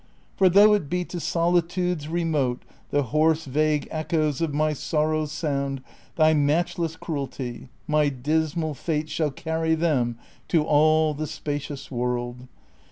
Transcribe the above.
For, though it be to solitudes remote The hoarse vague echoes of my sorrows sound Thy matchless cruelty, my dismal fate Shall carry them to all the spacious world.